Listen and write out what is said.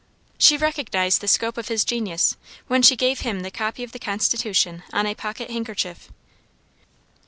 She recognized the scope of his genius when she gave him the copy of the constitution on a pocket handkerchief.